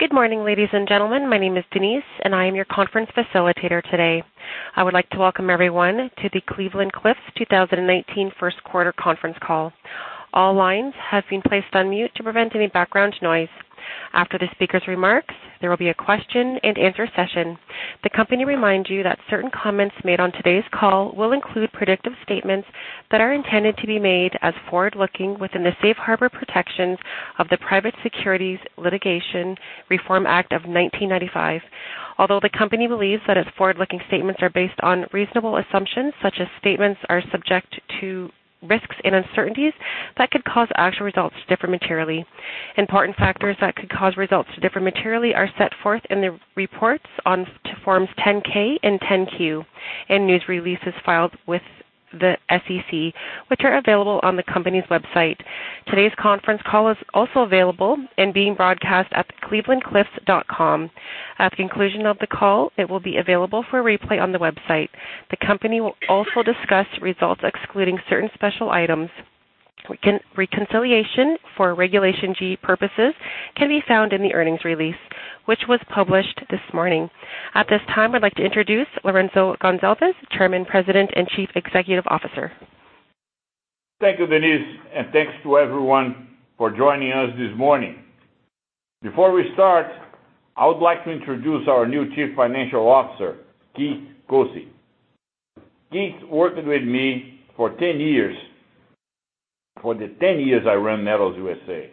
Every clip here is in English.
Good morning, ladies and gentlemen. My name is Denise, and I am your conference facilitator today. I would like to welcome everyone to the Cleveland-Cliffs 2019 Q1 conference call. All lines have been placed on mute to prevent any background noise. After the speaker's remarks, there will be a question and answer session. The company reminds you that certain comments made on today's call will include predictive statements that are intended to be made as forward-looking within the safe harbor protections of the Private Securities Litigation Reform Act of 1995. Although the company believes that its forward-looking statements are based on reasonable assumptions, such statements are subject to risks and uncertainties that could cause actual results to differ materially. Important factors that could cause results to differ materially are set forth in the reports on forms 10-K and 10-Q in news releases filed with the SEC, which are available on the company's website. Today's conference call is also available and being broadcast at clevelandcliffs.com. At the conclusion of the call, it will be available for replay on the website. The company will also discuss results excluding certain special items. Reconciliation for Regulation G purposes can be found in the earnings release, which was published this morning. At this time, I'd like to introduce Lourenco Goncalves, Chairman, President, and Chief Executive Officer. Thank you, Denise, and thanks to everyone for joining us this morning. Before we start, I would like to introduce our new Chief Financial Officer, Keith Koci. Keith worked with me for the 10 years I ran Metals USA.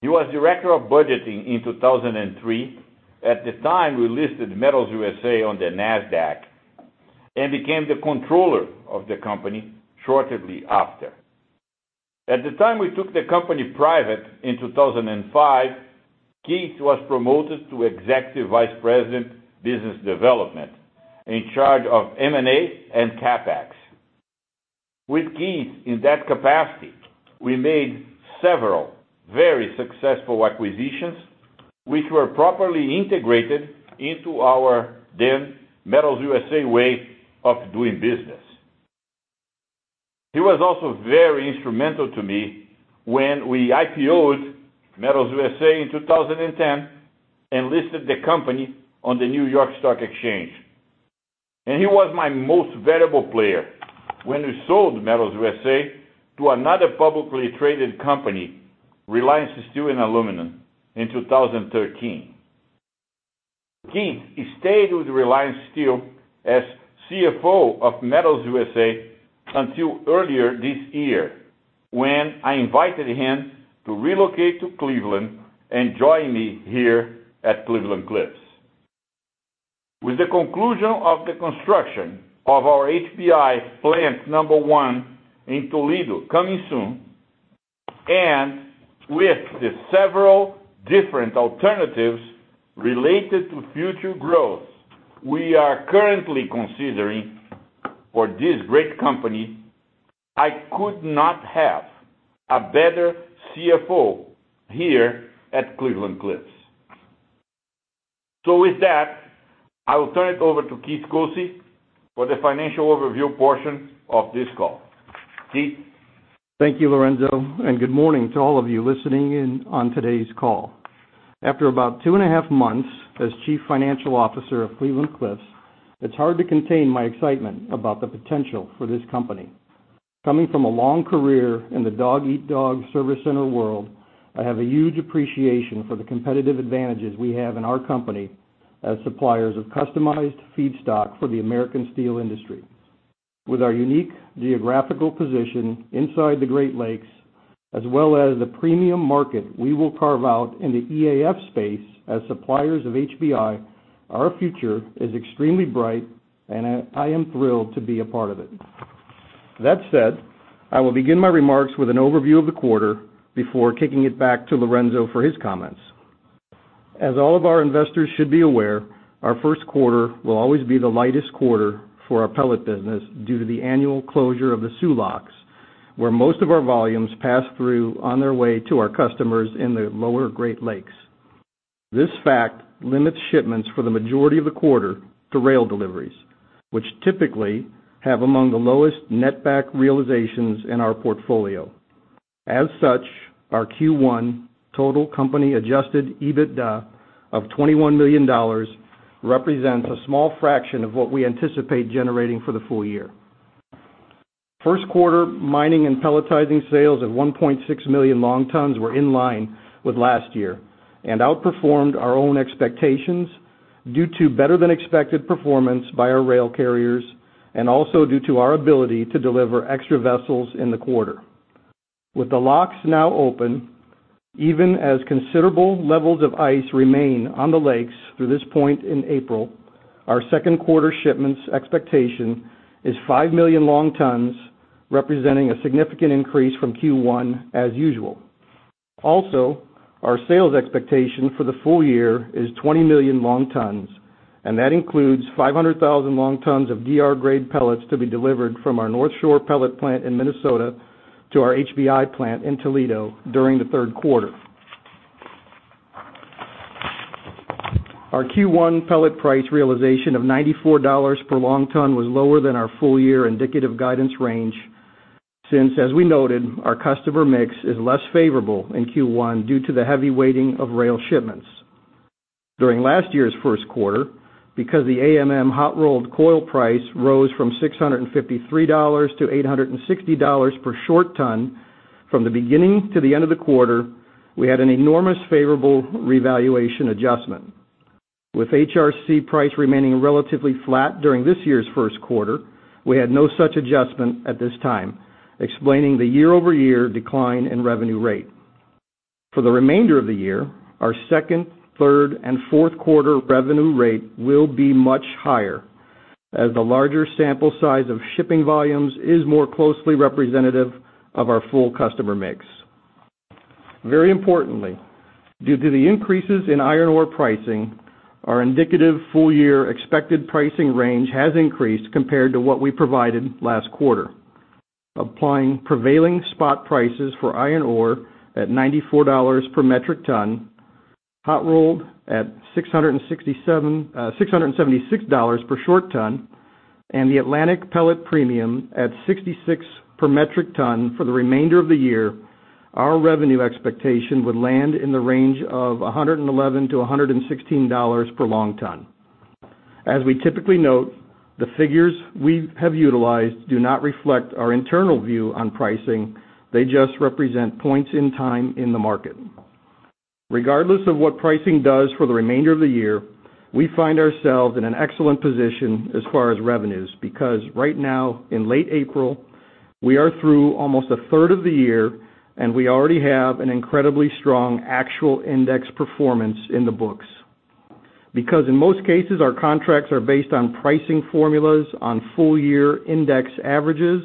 He was Director of Budgeting in 2003. At the time, we listed Metals USA on the Nasdaq and became the controller of the company shortly after. At the time we took the company private in 2005, Keith was promoted to Executive Vice President, Business Development, in charge of M&A and CapEx. With Keith in that capacity, we made several very successful acquisitions, which were properly integrated into our then Metals USA way of doing business. He was also very instrumental to me when we IPO'd Metals USA in 2010 and listed the company on the New York Stock Exchange. He was my most valuable player when we sold Metals USA to another publicly traded company, Reliance Steel & Aluminum, in 2013. Keith, he stayed with Reliance Steel as CFO of Metals USA until earlier this year, when I invited him to relocate to Cleveland and join me here at Cleveland-Cliffs. With the conclusion of the construction of our HBI plant number one in Toledo coming soon, and with the several different alternatives related to future growth we are currently considering for this great company, I could not have a better CFO here at Cleveland-Cliffs. With that, I will turn it over to Keith Koci for the financial overview portion of this call. Keith. Thank you, Lourenco, and good morning to all of you listening in on today's call. After about 2.5 months as Chief Financial Officer of Cleveland-Cliffs, it's hard to contain my excitement about the potential for this company. Coming from a long career in the dog-eat-dog service center world, I have a huge appreciation for the competitive advantages we have in our company as suppliers of customized feedstock for the American steel industry. With our unique geographical position inside the Great Lakes, as well as the premium market we will carve out in the EAF space as suppliers of HBI, our future is extremely bright, and I am thrilled to be a part of it. That said, I will begin my remarks with an overview of the quarter before kicking it back to Lourenco for his comments. As all of our investors should be aware, our Q1 will always be the lightest quarter for our pellet business due to the annual closure of the Soo Locks, where most of our volumes pass through on their way to our customers in the Lower Great Lakes. This fact limits shipments for the majority of the quarter to rail deliveries, which typically have among the lowest net back realizations in our portfolio. As such, our Q1 total company adjusted EBITDA of $21 million represents a small fraction of what we anticipate generating for the full year. Q1 mining and pelletizing sales at 1.6 million long tons were in line with last year and outperformed our own expectations due to better than expected performance by our rail carriers and also due to our ability to deliver extra vessels in the quarter. With the locks now open, even as considerable levels of ice remain on the lakes through this point in April, our Q2 shipments expectation is 5 million long tons, representing a significant increase from Q1 as usual. Our sales expectation for the full year is 20 million long tons, and that includes 500,000 long tons of DR-grade pellets to be delivered from our Northshore pellet plant in Minnesota to our HBI plant in Toledo during the Q3. Our Q1 pellet price realization of $94 per long ton was lower than our full year indicative guidance range since, as we noted, our customer mix is less favorable in Q1 due to the heavy weighting of rail shipments. During last year's Q1, because the AMM hot rolled coil price rose from $653-$860 per short ton from the beginning to the end of the quarter, we had an enormous favorable revaluation adjustment. With HRC price remaining relatively flat during this year's Q1, we had no such adjustment at this time, explaining the year-over-year decline in revenue rate. For the remainder of the year, our Q2, Q3, and Q4 revenue rate will be much higher as the larger sample size of shipping volumes is more closely representative of our full customer mix. Very importantly, due to the increases in iron ore pricing, our indicative full-year expected pricing range has increased compared to what we provided last quarter. Applying prevailing spot prices for iron ore at $94 per metric ton, hot rolled at $676 per short ton, and the Atlantic pellet premium at $66 per metric ton for the remainder of the year, our revenue expectation would land in the range of $111-$116 per long ton. As we typically note, the figures we have utilized do not reflect our internal view on pricing, they just represent points in time in the market. Regardless of what pricing does for the remainder of the year, we find ourselves in an excellent position as far as revenues, because right now, in late April, we are through almost a third of the year, and we already have an incredibly strong actual index performance in the books. Because in most cases, our contracts are based on pricing formulas on full-year index averages,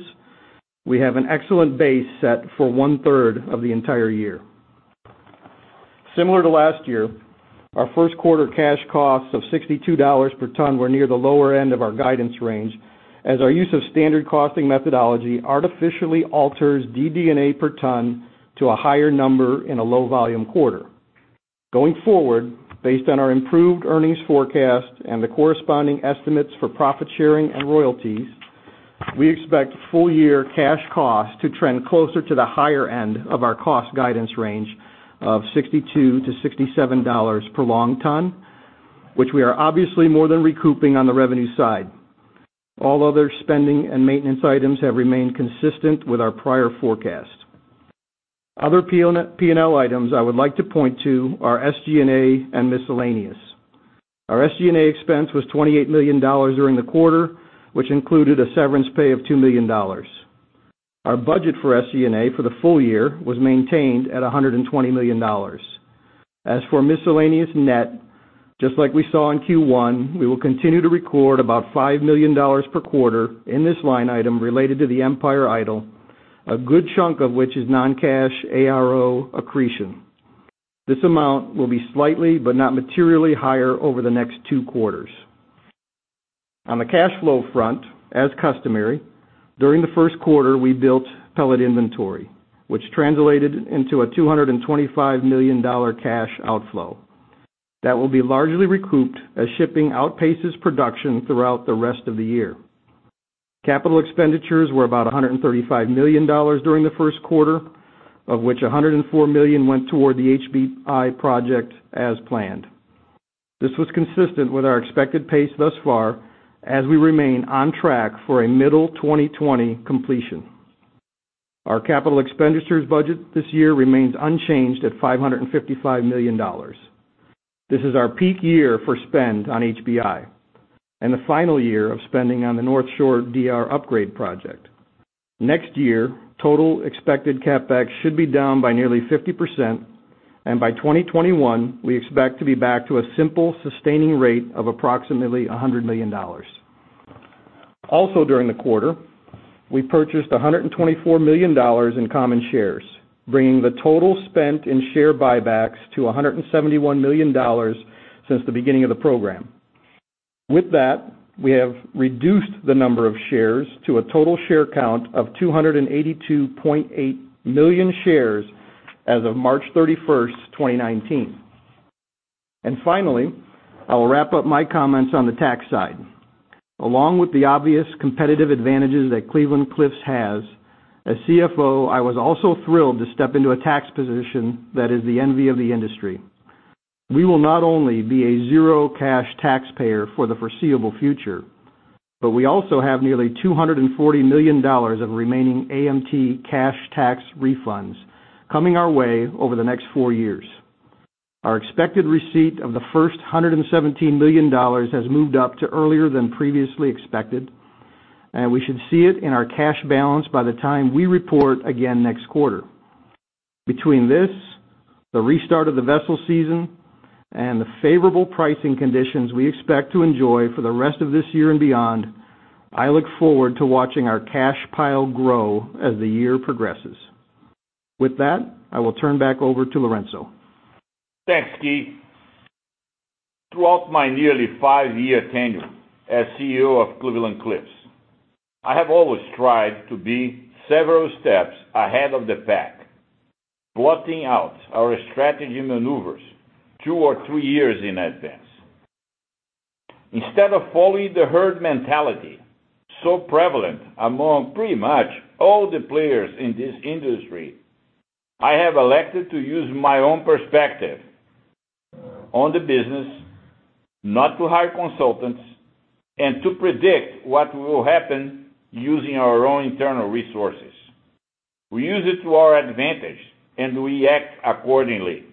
we have an excellent base set for one-third of the entire year. Similar to last year, our Q1 cash costs of $62 per ton were near the lower end of our guidance range as our use of standard costing methodology artificially alters DD&A per ton to a higher number in a low volume quarter. Going forward, based on our improved earnings forecast and the corresponding estimates for profit sharing and royalties, we expect full year cash costs to trend closer to the higher end of our cost guidance range of $62-$67 per long ton, which we are obviously more than recouping on the revenue side. All other spending and maintenance items have remained consistent with our prior forecast. Other P&L items I would like to point to are SG&A and miscellaneous. Our SG&A expense was $28 million during the quarter, which included a severance pay of $2 million. Our budget for SG&A for the full year was maintained at $120 million. As for miscellaneous net, just like we saw in Q1, we will continue to record about $5 million per quarter in this line item related to the Empire idle, a good chunk of which is non-cash ARO accretion. This amount will be slightly, but not materially higher over the next two quarters. On the cash flow front, as customary, during the Q1, we built pellet inventory, which translated into a $225 million cash outflow. That will be largely recouped as shipping outpaces production throughout the rest of the year. Capital expenditures were about $135 million during the Q1, of which $104 million went toward the HBI project as planned. This was consistent with our expected pace thus far as we remain on track for a middle-2020 completion. Our capital expenditures budget this year remains unchanged at $555 million. This is our peak year for spend on HBI and the final year of spending on the Northshore Mining DR-grade pellet project. Next year, total expected CapEx should be down by nearly 50%, and by 2021, we expect to be back to a simple sustaining rate of approximately $100 million. Also, during the quarter, we purchased $124 million in common shares, bringing the total spent in share buybacks to $171 million since the beginning of the program. With that, we have reduced the number of shares to a total share count of 282.8 million shares as of March 31st, 2019. Finally, I will wrap up my comments on the tax side. Along with the obvious competitive advantages that Cleveland-Cliffs has, as CFO, I was also thrilled to step into a tax position that is the envy of the industry. We will not only be a zero cash taxpayer for the foreseeable future, but we also have nearly $240 million of remaining AMT cash tax refunds coming our way over the next four years. Our expected receipt of the first $117 million has moved up to earlier than previously expected, and we should see it in our cash balance by the time we report again next quarter. Between this, the restart of the vessel season, and the favorable pricing conditions we expect to enjoy for the rest of this year and beyond, I look forward to watching our cash pile grow as the year progresses. With that, I will turn back over to Lourenco. Thanks, Keith. Throughout my nearly five-year tenure as CEO of Cleveland-Cliffs, I have always tried to be several steps ahead of the pack, plotting out our strategy maneuvers two or three years in advance. Instead of following the herd mentality so prevalent among pretty much all the players in this industry, I have elected to use my own perspective on the business, not to hire consultants, and to predict what will happen using our own internal resources. We use it to our advantage, and we act accordingly.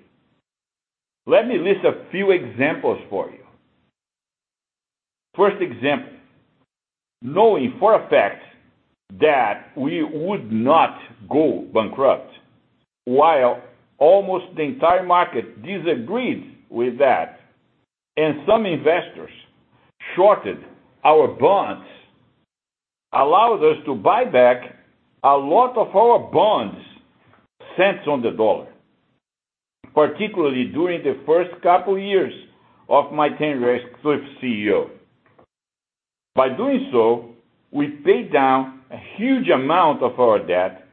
Let me list a few examples for you. First example, knowing for a fact that we would not go bankrupt while almost the entire market disagreed with that, and some investors shorted our bonds, allowed us to buy back a lot of our bonds cents on the dollar, particularly during the first couple years of my tenure as Cliffs CEO. By doing so, we paid down a huge amount of our debt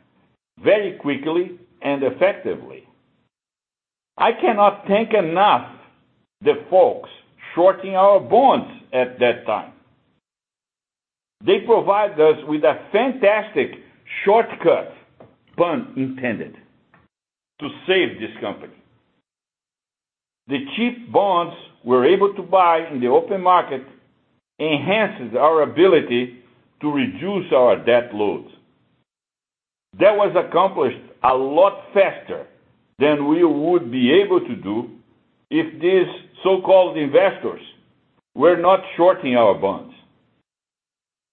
very quickly and effectively. I cannot thank enough the folks shorting our bonds at that time. They provided us with a fantastic shortcut, pun intended, to save this company. The cheap bonds we're able to buy in the open market enhances our ability to reduce our debt load. That was accomplished a lot faster than we would be able to do if these so-called investors were not shorting our bonds.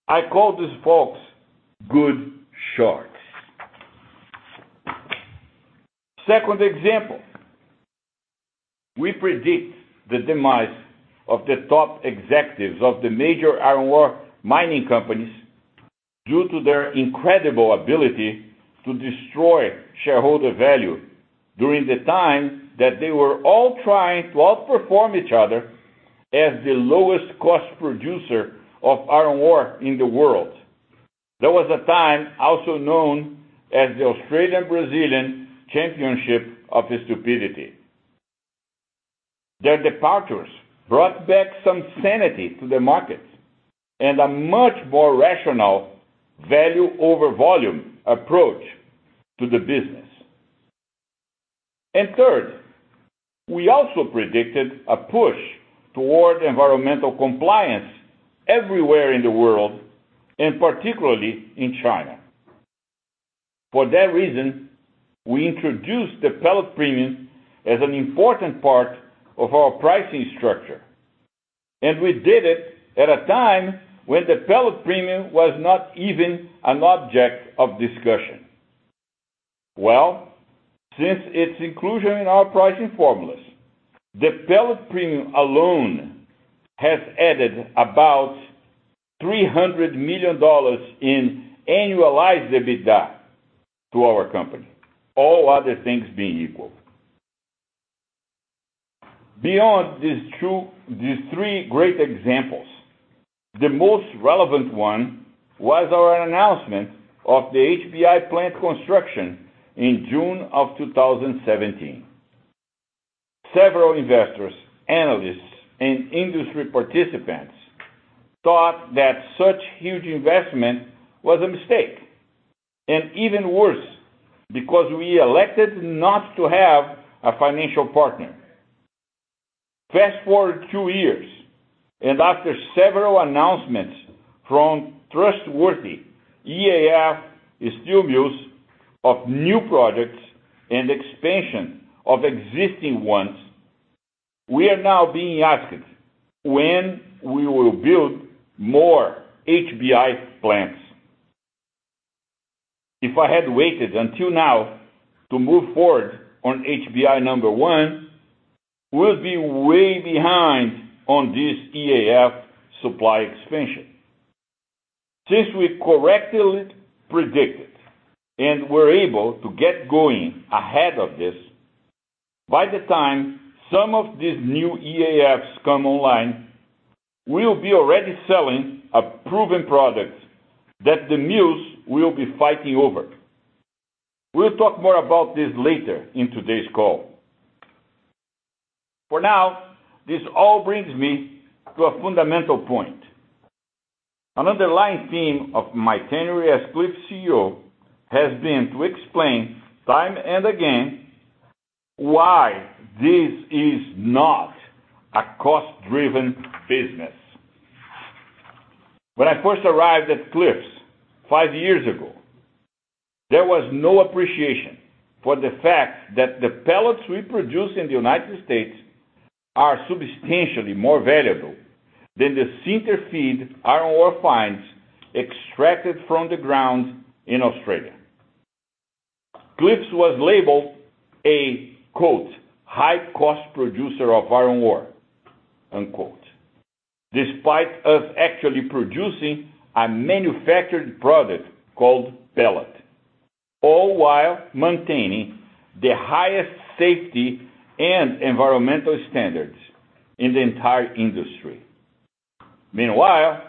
I call these folks good shorts. Second example, we predict the demise of the top executives of the major iron ore mining companies due to their incredible ability to destroy shareholder value during the time that they were all trying to outperform each other as the lowest cost producer of iron ore in the world. That was a time also known as the Australian-Brazilian Championship of Stupidity. Their departures brought back some sanity to the market and a much more rational value over volume approach to the business. Third, we also predicted a push toward environmental compliance everywhere in the world, and particularly in China. For that reason, we introduced the pellet premium as an important part of our pricing structure, and we did it at a time when the pellet premium was not even an object of discussion. Well, since its inclusion in our pricing formulas, the pellet premium alone has added about $300 million in annualized EBITDA to our company, all other things being equal. Beyond these three great examples, the most relevant one was our announcement of the HBI plant construction in June of 2017. Several investors, analysts, and industry participants thought that such huge investment was a mistake, and even worse, because we elected not to have a financial partner. Fast-forward two years, after several announcements from trustworthy EAF steel mills of new projects and expansion of existing ones, we are now being asked when we will build more HBI plants. If I had waited until now to move forward on HBI number one, we'd be way behind on this EAF supply expansion. Since we correctly predicted and were able to get going ahead of this, by the time some of these new EAFs come online, we'll be already selling a proven product that the mills will be fighting over. We'll talk more about this later in today's call. For now, this all brings me to a fundamental point An underlying theme of my tenure as Cleveland-Cliffs CEO has been to explain time and again why this is not a cost-driven business. When I first arrived at Cleveland-Cliffs five years ago, there was no appreciation for the fact that the pellets we produce in the United States are substantially more valuable than the sinter feed iron ore fines extracted from the ground in Australia. Cliffs was labeled a, "high cost producer of iron ore", despite us actually producing a manufactured product called pellet, all while maintaining the highest safety and environmental standards in the entire industry. Meanwhile,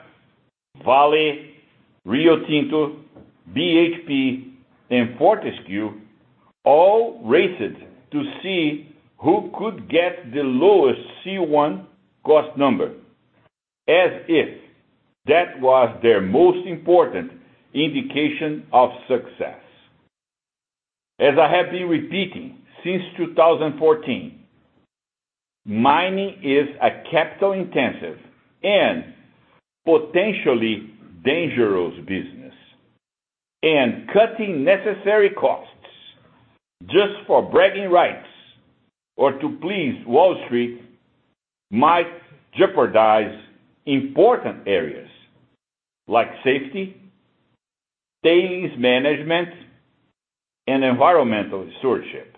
Vale, Rio Tinto, BHP, and Fortescue all raced to see who could get the lowest C1 cost number, as if that was their most important indication of success. As I have been repeating since 2014, mining is a capital-intensive and potentially dangerous business, and cutting necessary costs just for bragging rights or to please Wall Street might jeopardize important areas like safety, tailings management, and environmental stewardship.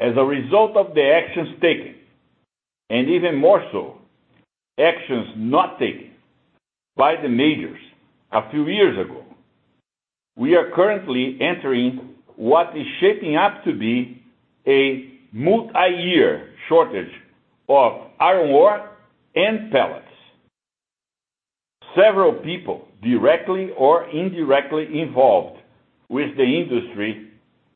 As a result of the actions taken, and even more so, actions not taken by the majors a few years ago, we are currently entering what is shaping up to be a multiyear shortage of iron ore and pellets. Several people directly or indirectly involved with the industry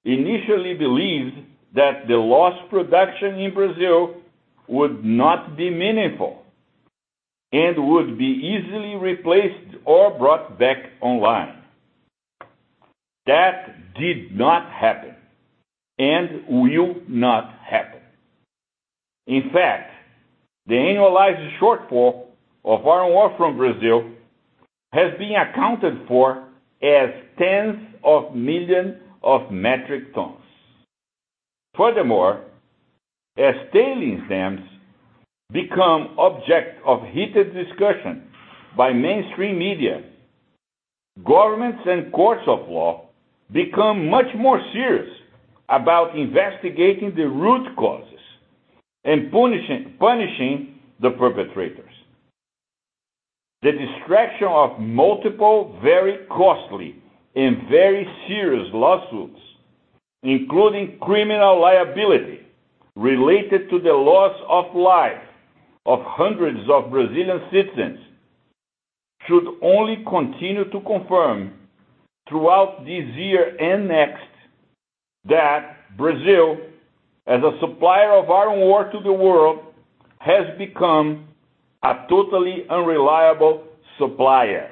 initially believed that the lost production in Brazil would not be meaningful and would be easily replaced or brought back online. That did not happen and will not happen. In fact, the annualized shortfall of iron ore from Brazil has been accounted for as tens of millions of metric tons. As tailings dams become object of heated discussion by mainstream media, governments and courts of law become much more serious about investigating the root causes and punishing the perpetrators. The distraction of multiple, very costly and very serious lawsuits, including criminal liability related to the loss of life of hundreds of Brazilian citizens, should only continue to confirm throughout this year and next that Brazil, as a supplier of iron ore to the world, has become a totally unreliable supplier.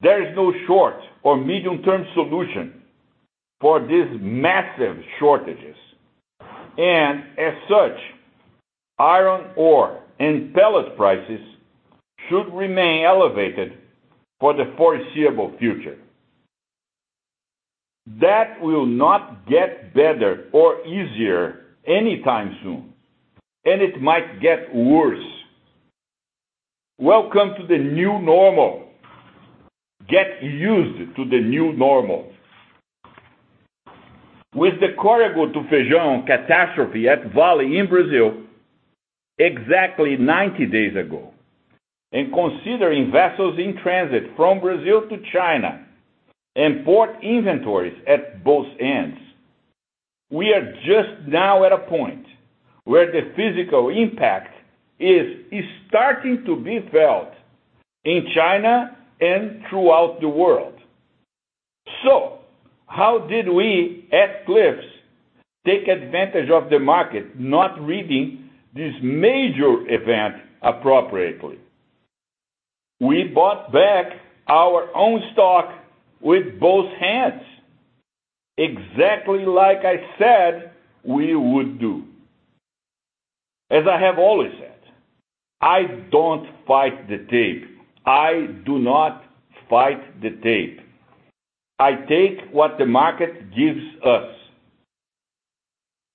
There is no short or medium-term solution for these massive shortages, and as such, iron ore and pellets prices should remain elevated for the foreseeable future. That will not get better or easier anytime soon, and it might get worse. Welcome to the new normal. Get used to the new normal. With the Córrego do Feijão catastrophe at Vale in Brazil exactly 90 days ago, and considering vessels in transit from Brazil to China and port inventories at both ends, we are just now at a point where the physical impact is starting to be felt in China and throughout the world, so, how did we at Cliffs take advantage of the market not reading this major event appropriately? We bought back our own stock with both hands, exactly like I said we would do. As I have always said, I don't fight the tape. I do not fight the tape. I take what the market gives us.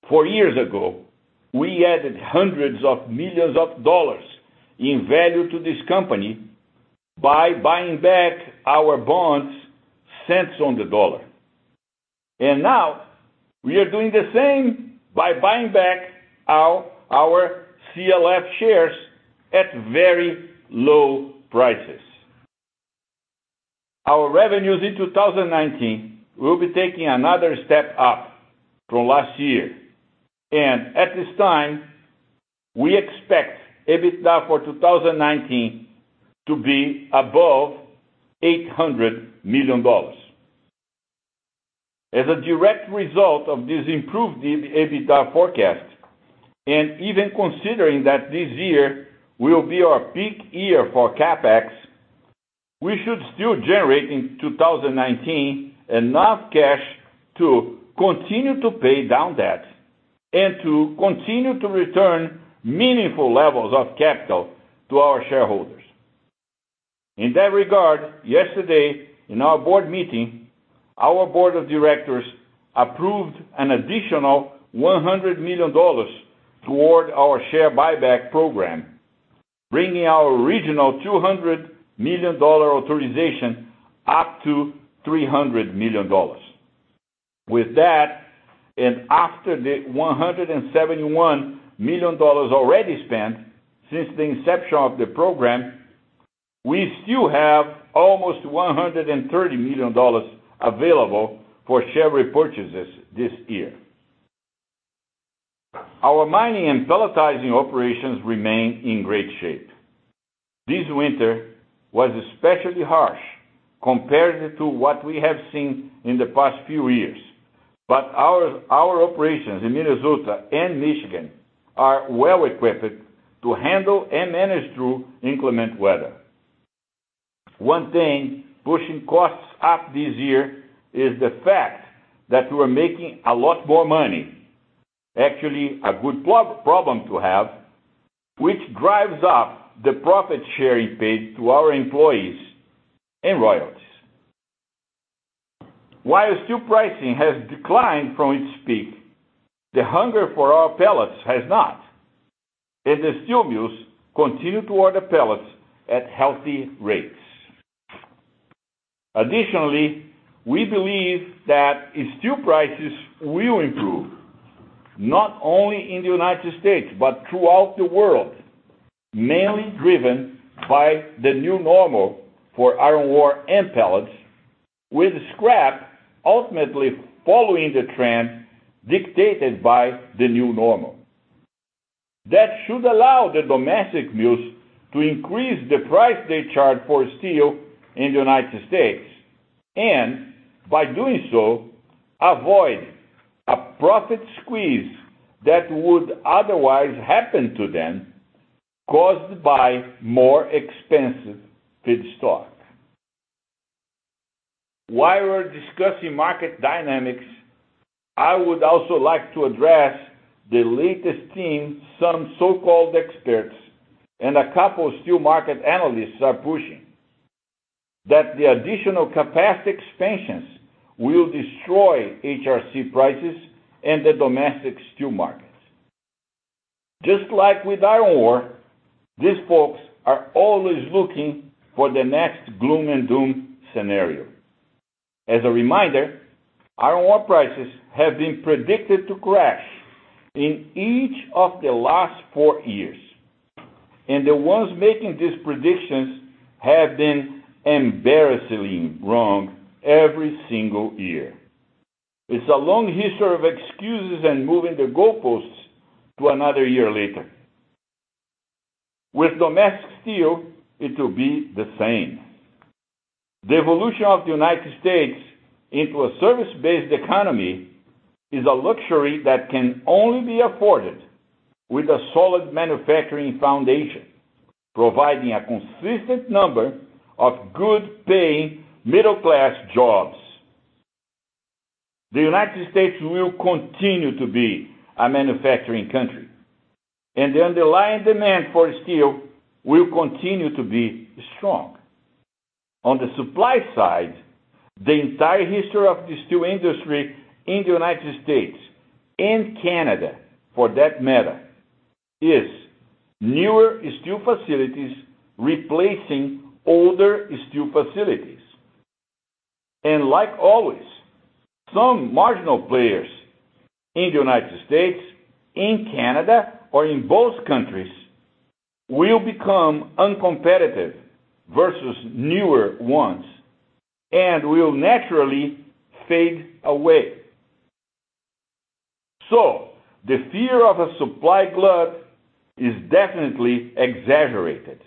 Four years ago, we added hundreds of millions of dollars in value to this company by buying back our bonds cents on the dollar, and now, we are doing the same by buying back our CLF shares at very low prices. Our revenues in 2019 will be taking another step up from last year, and at this time, we expect EBITDA for 2019 to be above $800 million. As a direct result of this improved EBITDA forecast, and even considering that this year will be our peak year for CapEx, we should still generate in 2019 enough cash to continue to pay down debts and to continue to return meaningful levels of capital to our shareholders. In that regard, yesterday in our board meeting, our board of directors approved an additional $100 million toward our share buyback program, bringing our original $200 million authorization up to $300 million. With that, and after the $171 million already spent since the inception of the program, we still have almost $130 million available for share repurchases this year. Our mining and pelletizing operations remain in great shape. This winter was especially harsh compared to what we have seen in the past few years, but our operations in Minnesota and Michigan are well equipped to handle and manage through inclement weather. One thing pushing costs up this year is the fact that we're making a lot more money. Actually, a good problem to have, which drives up the profit share paid to our employees and royalties. While steel pricing has declined from its peak, the hunger for our pellets has not, and the steel mills continue to order pellets at healthy rates. Additionally, we believe that steel prices will improve, not only in the United States but throughout the world, mainly driven by the new normal for iron ore and pellets, with scrap ultimately following the trend dictated by the new normal. That should allow the domestic mills to increase the price they charge for steel in the United States, and by doing so, avoid a profit squeeze that would otherwise happen to them caused by more expensive feedstock. While we're discussing market dynamics, I would also like to address the latest theme some so-called experts and a couple steel market analysts are pushing, that the additional capacity expansions will destroy HRC prices and the domestic steel markets. Just like with iron ore, these folks are always looking for the next gloom and doom scenario. As a reminder, iron ore prices have been predicted to crash in each of the last four years, and the ones making these predictions have been embarrassingly wrong every single year. It's a long history of excuses and moving the goalposts to another year later. With domestic steel, it will be the same. The evolution of the United States into a service-based economy is a luxury that can only be afforded with a solid manufacturing foundation, providing a consistent number of good-paying middle-class jobs. The United States will continue to be a manufacturing country, and the underlying demand for steel will continue to be strong. On the supply side, the entire history of the steel industry in the United States and Canada, for that matter, is newer steel facilities replacing older steel facilities. Like always, some marginal players in the U.S., in Canada, or in both countries will become uncompetitive versus newer ones and will naturally fade away, so the fear of a supply glut is definitely exaggerated.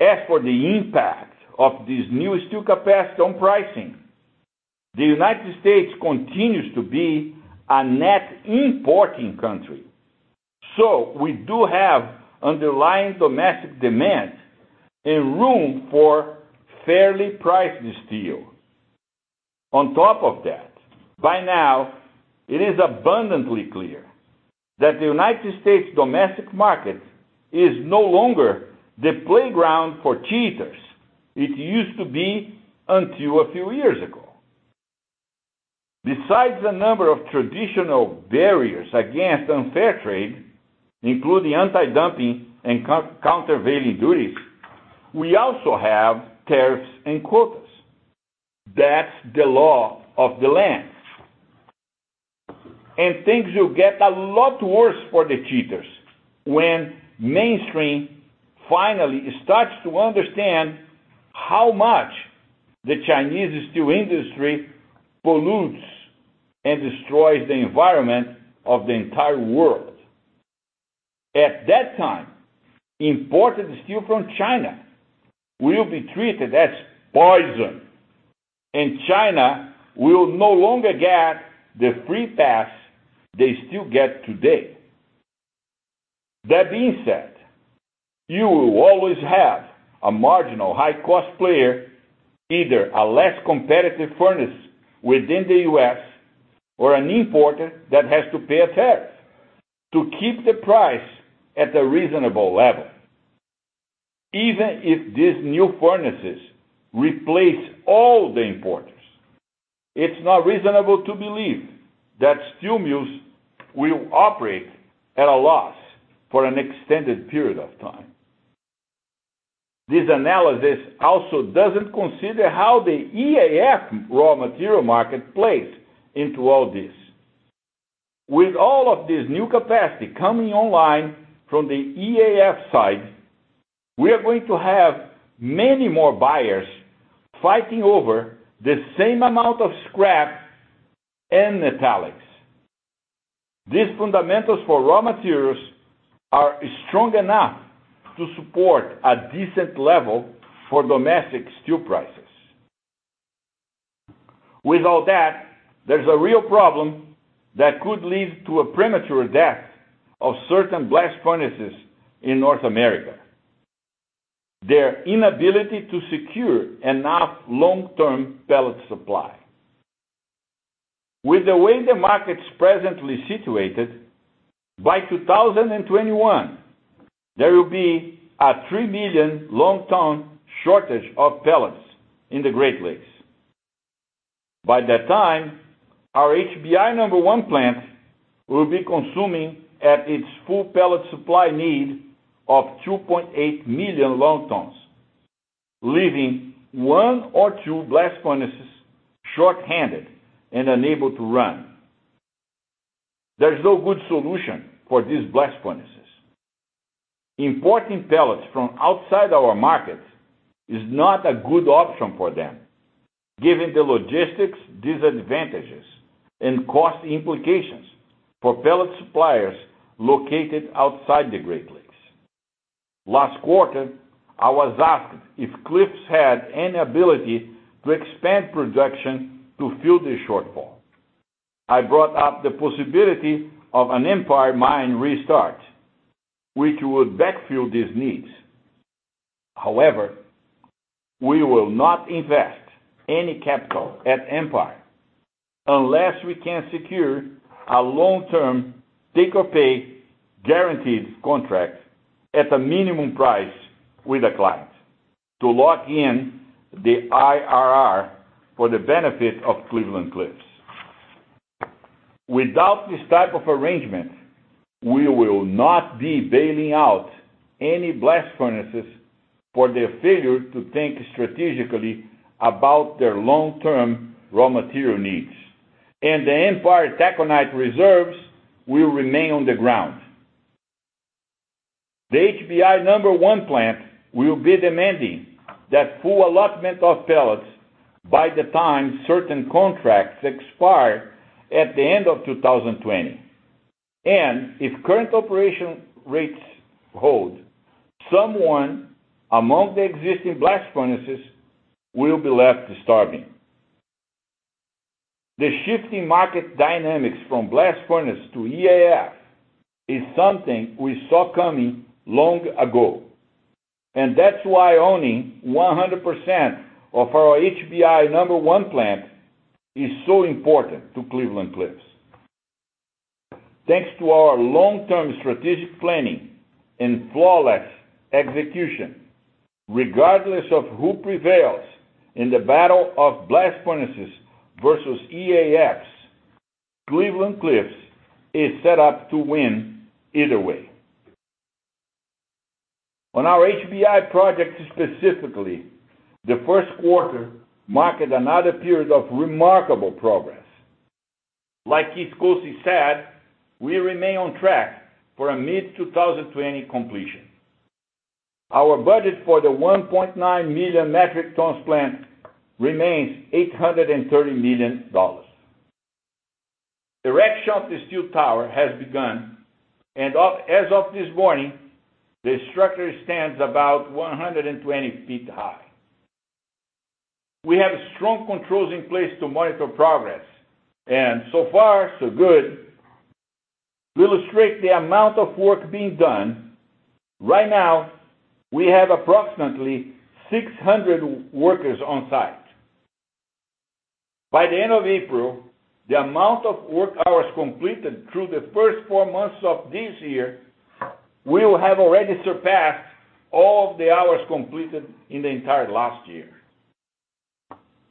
As for the impact of this new steel capacity on pricing, the U.S. continues to be a net importing country, so we do have underlying domestic demand and room for fairly priced steel. On top of that, by now it is abundantly clear that the U.S. domestic market is no longer the playground for cheaters it used to be until a few years ago. Besides a number of traditional barriers against unfair trade, including anti-dumping and countervailing duties, we also have tariffs and quotas. That's the law of the land. Things will get a lot worse for the cheaters when mainstream finally starts to understand how much the Chinese steel industry pollutes and destroys the environment of the entire world. At that time, imported steel from China will be treated as poison, and China will no longer get the free pass they still get today. That being said, you will always have a marginal high-cost player, either a less competitive furnace within the U.S. or an importer that has to pay a tax to keep the price at a reasonable level. Even if these new furnaces replace all the importers, it is not reasonable to believe that steel mills will operate at a loss for an extended period of time. This analysis also doesn't consider how the EAF raw material market plays into all this. With all of this new capacity coming online from the EAF side, we are going to have many more buyers fighting over the same amount of scrap and metallics. These fundamentals for raw materials are strong enough to support a decent level for domestic steel prices. With all that, there's a real problem that could lead to a premature death of certain blast furnaces in North America, their inability to secure enough long-term pellet supply. With the way the market's presently situated, by 2021, there will be a 3 million long ton shortage of pellets in the Great Lakes. By that time, our HBI number one plant will be consuming at its full pellet supply need of 2.8 million long tons, leaving one or two blast furnaces shorthanded and unable to run. There's no good solution for these blast furnaces. Importing pellets from outside our market is not a good option for them, given the logistics disadvantages and cost implications for pellet suppliers located outside the Great Lakes. Last quarter, I was asked if Cliffs had any ability to expand production to fill this shortfall. I brought up the possibility of an Empire mine restart, which would backfill these needs. However, we will not invest any capital at Empire unless we can secure a long-term take-or-pay guaranteed contract at a minimum price with a client to lock in the IRR for the benefit of Cleveland-Cliffs. Without this type of arrangement, we will not be bailing out any blast furnaces for their failure to think strategically about their long-term raw material needs, and the Empire taconite reserves will remain on the ground. The HBI number one plant will be demanding that full allotment of pellets by the time certain contracts expire at the end of 2020, and if current operation rates hold, someone among the existing blast furnaces will be left starving. The shifting market dynamics from blast furnace to EAF is something we saw coming long ago, and that's why owning 100% of our HBI number one plant is so important to Cleveland-Cliffs. Thanks to our long-term strategic planning and flawless execution, regardless of who prevails in the battle of blast furnaces versus EAFs, Cleveland-Cliffs is set up to win either way. On our HBI project specifically, the Q1 marked another period of remarkable progress. Like Keith Koci said, we remain on track for a mid-2020 completion. Our budget for the 1.9 million metric tons plant remains $830 million. The erection of the steel tower has begun, and as of this morning, the structure stands about 120 feet high. We have strong controls in place to monitor progress, and so far, so good. To illustrate the amount of work being done, right now, we have approximately 600 workers on site. By the end of April, the amount of work hours completed through the first four months of this year will have already surpassed all of the hours completed in the entire last year.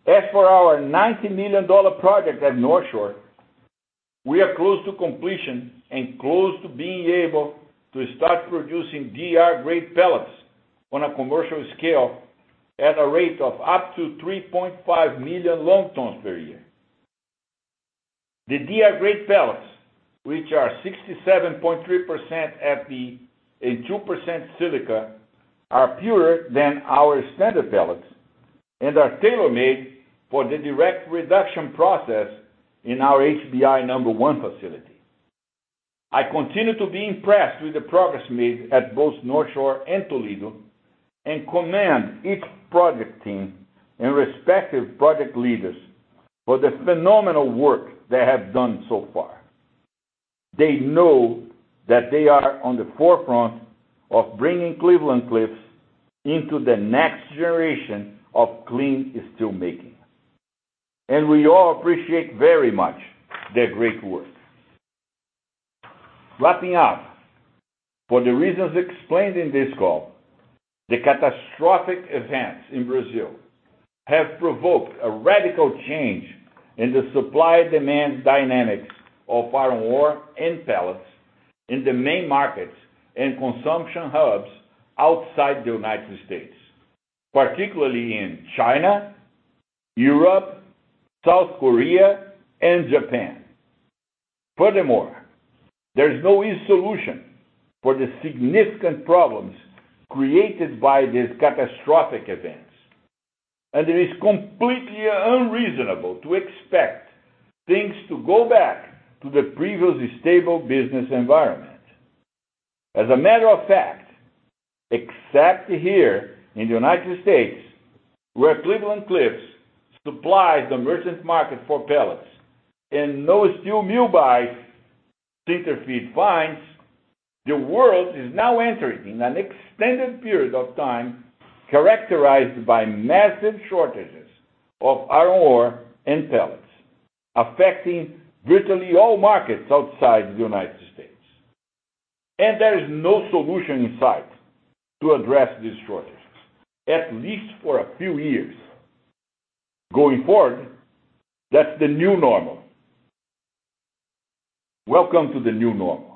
As for our $90 million project at Northshore, we are close to completion and close to being able to start producing DR-grade pellets on a commercial scale at a rate of up to 3.5 million long tons per year. The DR-grade pellets, which are 67.3% Fe and 2% silica, are purer than our standard pellets and are tailor-made for the direct reduction process in our HBI one facility. I continue to be impressed with the progress made at both Northshore and Toledo and commend each project team and respective project leaders for the phenomenal work they have done so far. They know that they are on the forefront of bringing Cleveland-Cliffs into the next generation of clean steelmaking. We all appreciate very much their great work. Wrapping up, for the reasons explained in this call, the catastrophic events in Brazil have provoked a radical change in the supply-demand dynamics of iron ore and pellets in the main markets and consumption hubs outside the U.S., particularly in China, Europe, South Korea, and Japan. Furthermore, there is no easy solution for the significant problems created by these catastrophic events, and it is completely unreasonable to expect things to go back to the previous stable business environment. As a matter of fact, except here in the U.S., where Cleveland-Cliffs supplies the merchant market for pellets and no steel mill buys sinter feed fines, the world is now entering in an extended period of time characterized by massive shortages of iron ore and pellets, affecting virtually all markets outside the U.S., and there is no solution in sight to address these shortages, at least for a few years. Going forward, that's the new normal. Welcome to the new normal.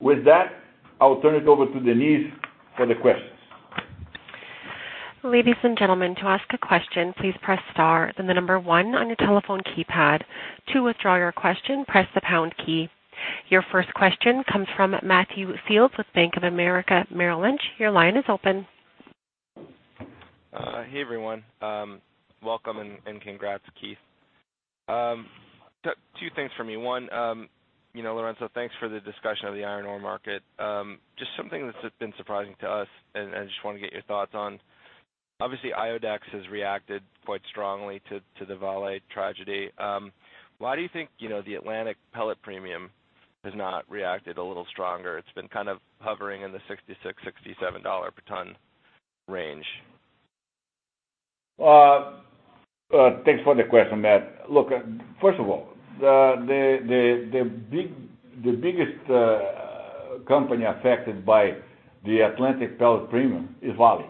With that, I'll turn it over to Denise for the questions. Ladies and gentlemen, to ask a question, please press star then number one on the telephone keypad. To withdraw your question, press the pound key. Your first question comes from Matthew Fields with Bank of America Merrill Lynch. Your line is open. Hey everyone. Welcome and congrats, Keith. Two things for me. One, you know, Lourenco, thanks for the discussion of the iron ore market. Just something that has been surprising to us, and I just wanna get your thoughts on. Obviously, IODEX has reacted quite strongly to the Vale tragedy. Why do you think, you know, the Atlantic pellet premium has not reacted a little stronger? It's been kind of hovering in the $66-$67 per ton range. Thanks for the question, Matt. Look, first of all, the biggest company affected by the Atlantic pellet premium is Vale,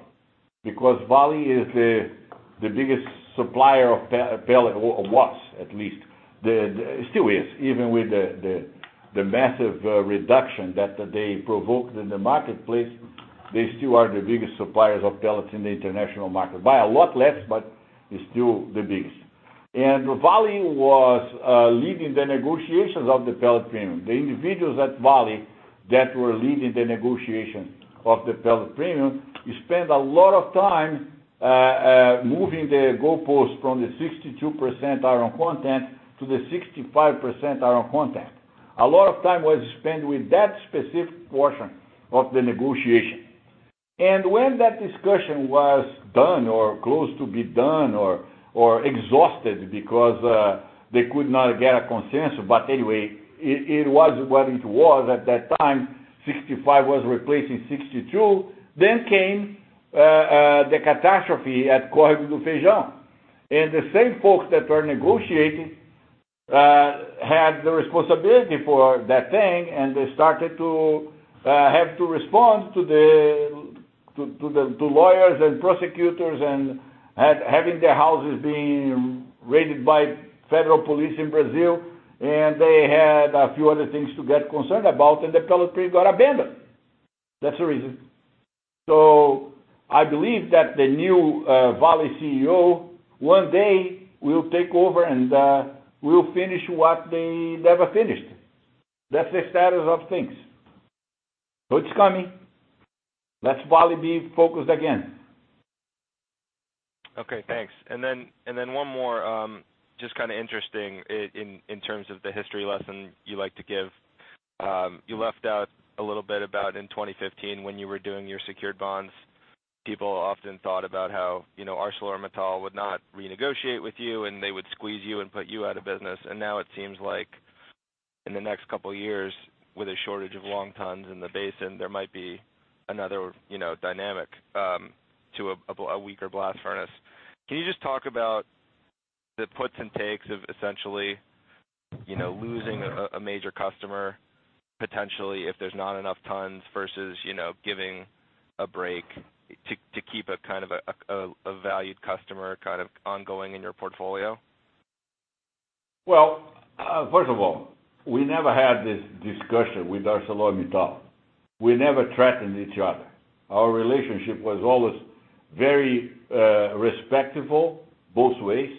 because Vale is the biggest supplier of pellet, or was at least. Still is, even with the massive reduction that they provoked in the marketplace, they still are the biggest suppliers of pellets in the international market. By a lot less, but it's still the biggest, and Vale was leading the negotiations of the pellet premium. The individuals at Vale that were leading the negotiations of the pellet premium spent a lot of time moving the goalposts from the 62% iron content to the 65% iron content. A lot of time was spent with that specific portion of the negotiation. When that discussion was done or close to be done or exhausted because they could not get a consensus, but anyway, it was what it was at that time, 65 was replacing 62, then came the catastrophe at Córrego do Feijão, and the same folks that were negotiating had the responsibility for that thing, and they started to have to respond to the lawyers and prosecutors and having their houses being raided by federal police in Brazil, and they had a few other things to get concerned about, and the pellet premium got abandoned. That's the reason, so I believe that the new Vale CEO one day will take over and will finish what they never finished. That's the status of things. It's coming. Let Vale be focused again. Okay, thanks. Then one more, just kind of interesting in terms of the history lesson you like to give. You left out a little bit about in 2015 when you were doing your secured bonds. People often thought about how, you know, ArcelorMittal would not renegotiate with you. They would squeeze you and put you out of business. Now it seems like in the next two years, with a shortage of long tons in the basin, there might be another, you know, dynamic to a weaker blast furnace. Can you just talk about the puts and takes of essentially, you know, losing a major customer potentially if there's not enough tons versus, you know, giving a break to keep a kind of a valued customer kind of ongoing in your portfolio? Well, first of all, we never had this discussion with ArcelorMittal. We never threatened each other. Our relationship was always very respectful both ways.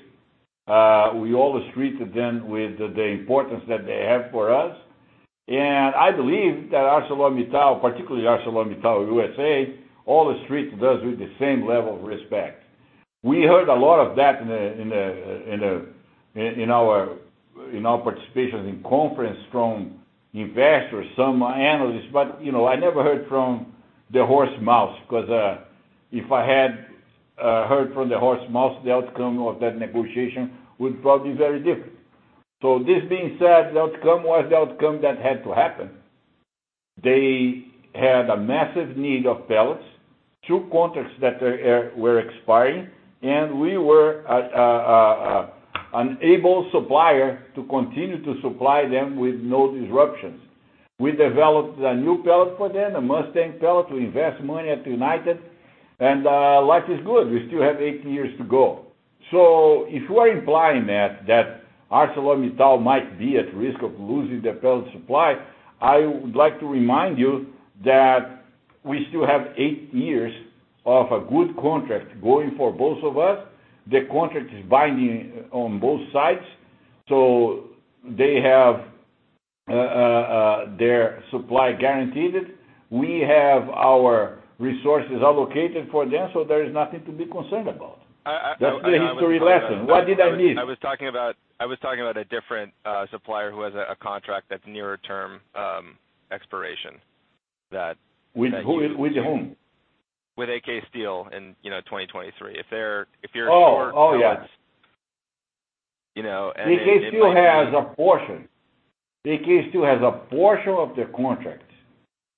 We always treated them with the importance that they have for us, and I believe that ArcelorMittal, particularly ArcelorMittal USA, always treated us with the same level of respect. We heard a lot of that in our participation in conference from investors, some analysts, you know, I never heard from the horse mouth, because if I had heard from the horse mouth, the outcome of that negotiation would probably be very different. This being said, the outcome was the outcome that had to happen. They had a massive need of pellets, two contracts that were expiring, and we were an able supplier to continue to supply them with no disruptions. We developed a new pellet for them, a Mustang pellet. We invest money at United, and life is good. We still have eight years to go, so if you are implying, Matthew, that ArcelorMittal might be at risk of losing their pellet supply, I would like to remind you that we still have eight years of a good contract going for both of us. The contract is binding on both sides, they have their supply guaranteed. We have our resources allocated for them, there is nothing to be concerned about. That's the history lesson. What did I miss? I was talking about a different supplier who has a contract that's nearer term expiration. With who? With whom? With AK Steel in, you know, 2023. If you're sure. Oh. Oh, yeah AK Steel has a portion. AK Steel has a portion of their contract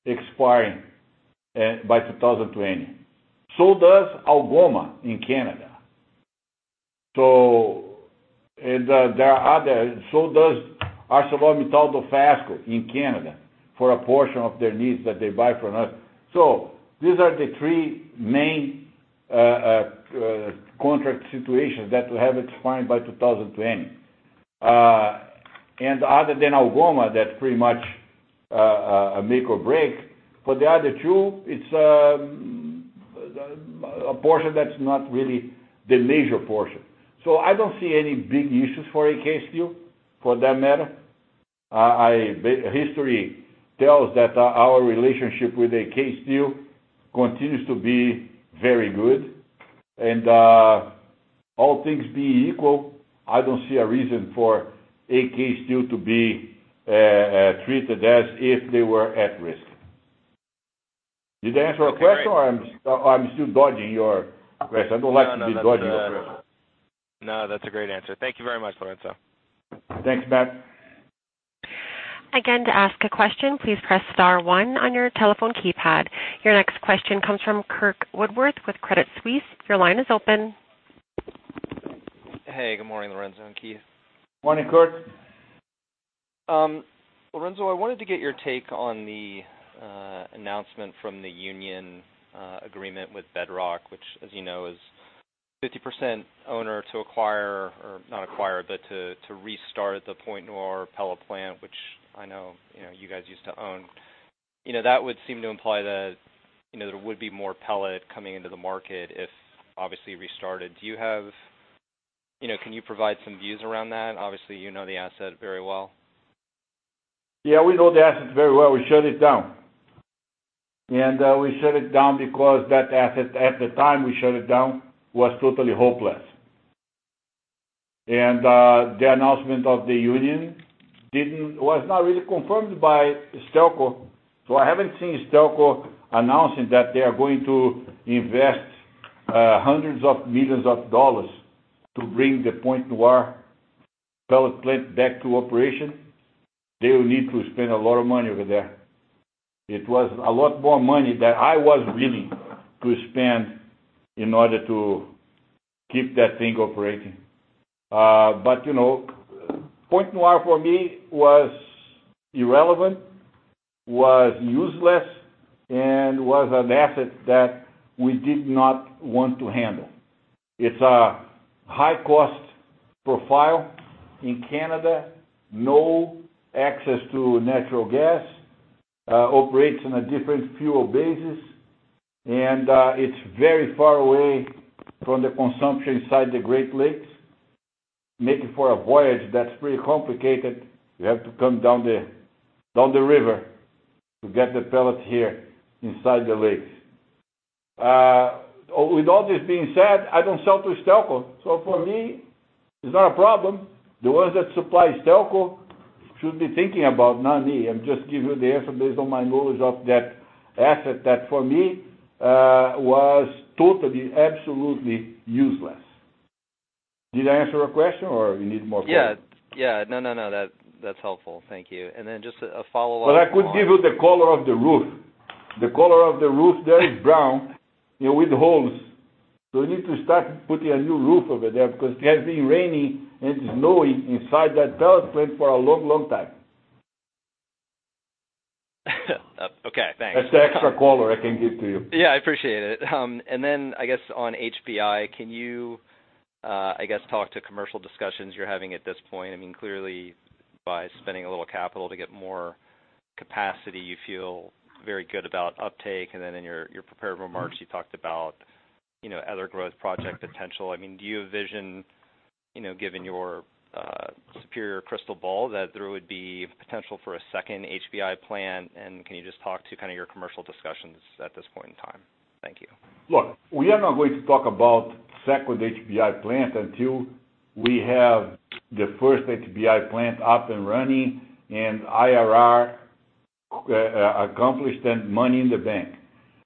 expiring by 2020. Algoma in Canada. There are others. ArcelorMittal in Canada for a portion of their needs that they buy from us, so these are the three main contract situations that will have expired by 2020. Other than Algoma, that's pretty much a make or break. For the other two, it's a portion that's not really the major portion, so I don't see any big issues for AK Steel for that matter. History tells that our relationship with AK Steel continues to be very good, and all things being equal, I don't see a reason for AK Steel to be treated as if they were at risk. Did I answer your question or I'm still dodging your question? I don't like to be dodging your question. No, that's a great answer. Thank you very much, Lourenco. Thanks, Matt. Again, to ask a question, please press star one on your telephone keypad. Your next question comes from Curt Woodworth with Credit Suisse. Your line is open. Hey, good morning, Lourenco and Keith. Morning, Curt. Lourenco, I wanted to get your take on the announcement from the union agreement with Bedrock, which is 50% owner to restart the Pointe-Noire pellet plant, which you guys used to own. That would seem to imply that there would be more pellet coming into the market if obviously restarted. Can you provide some views around that? Obviously, the asset very well. Yeah, we know the assets very well. We shut it down, and we shut it down because that asset at the time we shut it down, was totally hopeless, and the announcement of the union was not really confirmed by Stelco. I haven't seen Stelco announcing that they are going to invest hundreds of millions of dollars to bring the Pointe-Noire pellet plant back to operation. They will need to spend a lot of money over there. It was a lot more money that I was willing to spend in order to keep that thing operating, but you know, Pointe-Noire for me was irrelevant, was useless, and was an asset that we did not want to handle. It's a high cost profile in Canada, no access to natural gas, operates on a different fuel basis, and it's very far away from the consumption side of the Great Lakes, making for a voyage that's pretty complicated. You have to come down the river to get the pellet here inside the Lakes. With all this being said, I don't sell to Stelco, so for me, it's not a problem. The ones that supply Stelco should be thinking about, not me. I'm just giving you the answer based on my knowledge of that asset that for me, was totally, absolutely useless. Did I answer your question or you need more clarity? Yeah. Yeah. No, no. That's helpful. Thank you. Then just a follow-up on. I could give you the color of the roof. The color of the roof there is brown, you know, with holes. You need to start putting a new roof over there because it has been raining and snowing inside that pellet plant for a long, long time. Okay, thanks. That's the extra color I can give to you. Yeah, I appreciate it. I guess on HBI, can you, I guess, talk to commercial discussions you're having at this point? I mean, clearly, by spending a little capital to get more capacity, you feel very good about uptake. In your prepared remarks, you talked about, you know, other growth project potential. I mean, do you have vision, you know, given your superior crystal ball, that there would be potential for a second HBI plant, and can you just talk to kind of your commercial discussions at this point in time? Thank you. Look, we are not going to talk about first HBI plant until we have the first HBI plant up and running and IRR accomplished and money in the bank.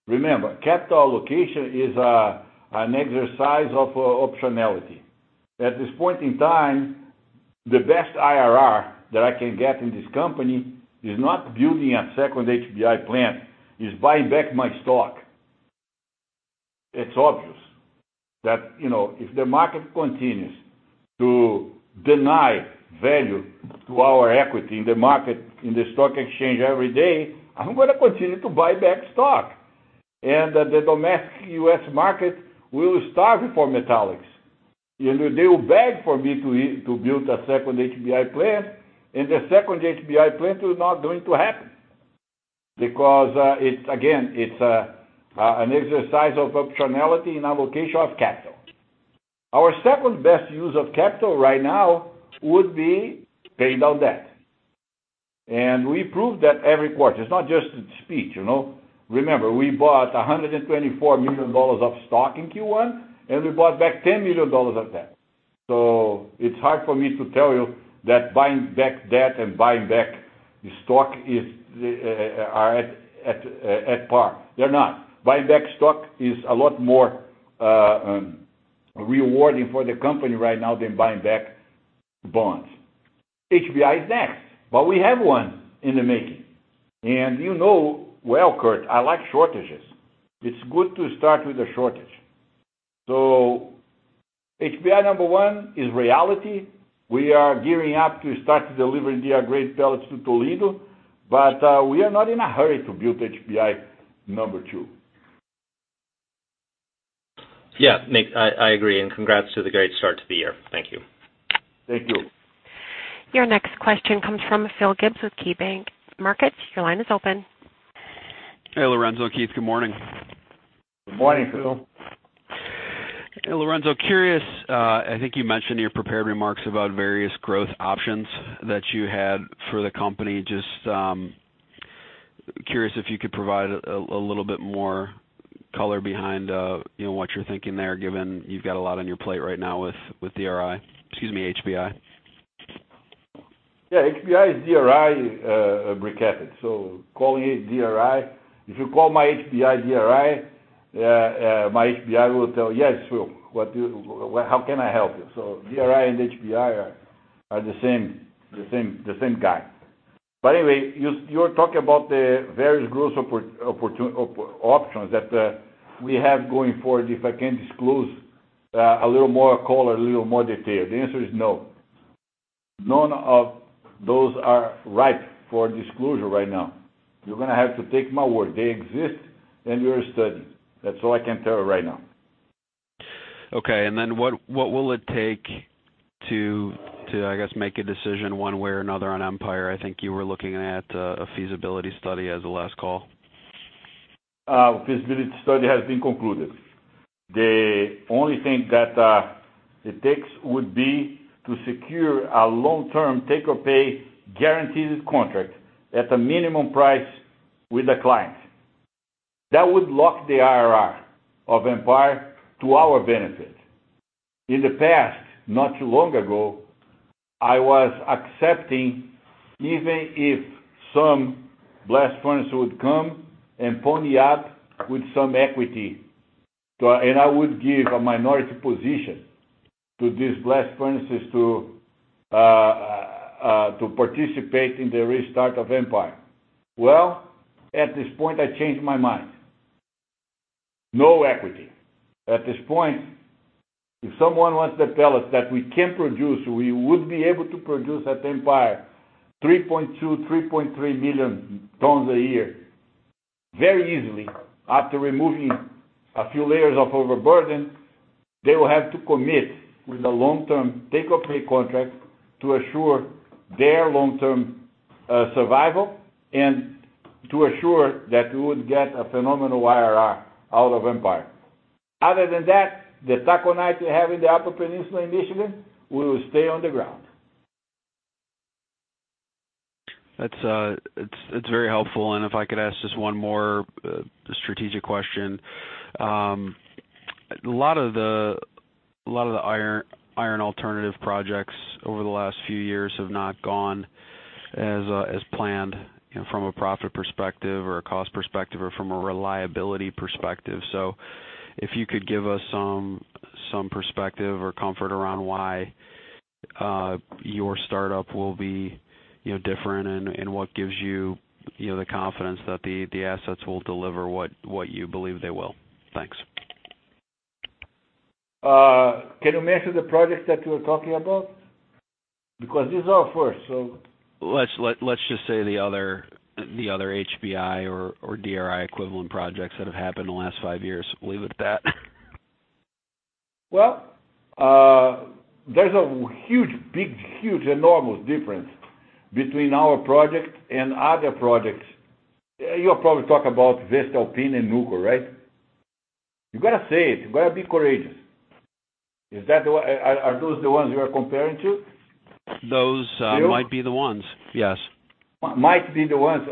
Remember, capital allocation is an exercise of optionality. At this point in time, the best IRR that I can get in this company is not building a second HBI plant, is buying back my stock. It's obvious that, you know, if the market continues to deny value to our equity in the market, in the stock exchange every day, I'm gonna continue to buy back stock, and the domestic U.S. market will starve for metallics. They will beg for me to build a second HBI plant, and the second HBI plant is not going to happen because it's again, it's an exercise of optionality and allocation of capital. Our second-best use of capital right now would be paying down debt, and we prove that every quarter. It's not just a speech, you know. Remember, we bought $124 million of stock in Q1, and we bought back $10 million of debt, so it's hard for me to tell you that buying back debt and buying back stock is are at par. They're not. Buying back stock is a lot more rewarding for the company right now than buying back bonds. HBI is next, but we have one in the making, and you know well, Curt, I like shortages. It's good to start with a shortage. HBI number one is reality. We are gearing up to start delivering DR-grade pellets to Toledo, but we are not in a hurry to build HBI number two. Yeah. I agree, and congrats to the great start to the year. Thank you. Thank you. Your next question comes from Phil Gibbs with KeyBanc Markets. Your line is open. Hey, Lourenco, Keith, good morning. Good morning, Phil. Hey, Lourenco. Curious, I think you mentioned in your prepared remarks about various growth options that you had for the company. Just, curious if you could provide a little bit more color behind, you know, what you're thinking there, given you've got a lot on your plate right now with DRI. Excuse me, HBI. Yeah. HBI is DRI, briquetted. Calling it DRI. If you call my HBI DRI, my HBI will tell, Yes, Philip, how can I help you? DRI and HBI are the same guy. Anyway, you're talking about the various growth options that we have going forward, if I can disclose a little more color, a little more detail. The answer is no. None of those are ripe for disclosure right now. You're gonna have to take my word. They exist, and we're studying. That's all I can tell you right now. Okay. Then what will it take to, I guess, make a decision one way or another on Empire? I think you were looking at a feasibility study as of last call. Feasibility study has been concluded. The only thing that it takes would be to secure a long-term take-or-pay guaranteed contract at a minimum price with a client. That would lock the IRR of Empire to our benefit. In the past, not too long ago, I was accepting even if some blast furnace would come and pony up with some equity, and I would give a minority position to these blast furnaces to participate in the restart of Empire. Well, at this point, I changed my mind. No equity. At this point, if someone wants the pellets that we can produce, we would be able to produce at Empire 3.2, 3.3 million tons a year very easily after removing a few layers of overburden. They will have to commit with a long-term take-or-pay contract to assure their long-term survival and to assure that we would get a phenomenal IRR out of Empire. Other than that, the taconite we have in the Upper Peninsula in Michigan will stay on the ground. That's It's very helpful, and if I could ask just one more strategic question. A lot of the iron alternative projects over the last few years have not gone as planned, you know, from a profit perspective or a cost perspective or from a reliability perspective, so if you could give us some perspective or comfort around why your startup will be, you know, different and what gives you know, the confidence that the assets will deliver what you believe they will. Thanks. Can you mention the projects that you are talking about, because this is our first? Let's just say the other HBI or DRI equivalent projects that have happened in the last five years. We'll leave it at that. Well, there's a huge, big, huge, enormous difference between our project and other projects. You're probably talking about Voestalpine and Nucor, right? You gotta say it. You gotta be courageous. Are those the ones you are comparing to? Phil? Those might be the ones, yes. Might be the ones.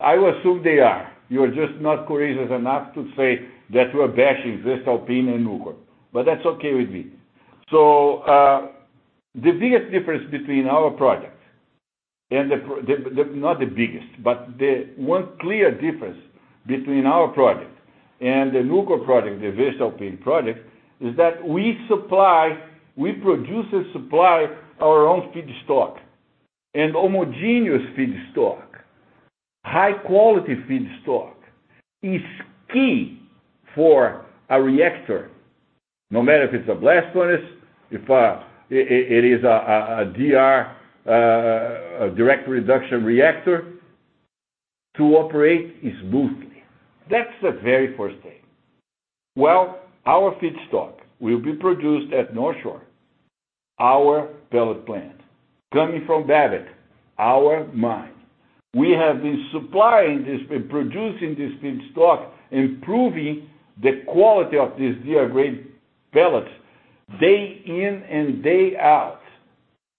I will assume they are. You're just not courageous enough to say that you are bashing Voestalpine and Nucor, but that's okay with me. The one clear difference between our project and the Nucor project, the Voestalpine project, is that we supply, we produce and supply our own feedstock, and homogeneous feedstock. High-quality feedstock is key for a reactor, no matter if it's a blast furnace, if it is a direct reduction reactor to operate smoothly. That's the very first thing. Our feedstock will be produced at Northshore, our pellet plant, coming from Babbitt, our mine. We have been supplying this, been producing this feedstock, improving the quality of these DR-grade pellets day in and day out.